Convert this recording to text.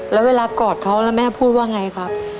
แล้วเวลากอดเขาแล้วแม่พูดว่าไงครับ